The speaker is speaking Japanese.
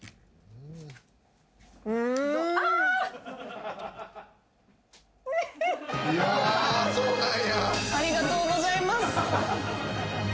ありがとうございます。